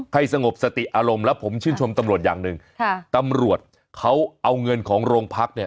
สงบสติอารมณ์แล้วผมชื่นชมตำรวจอย่างหนึ่งค่ะตำรวจเขาเอาเงินของโรงพักเนี่ย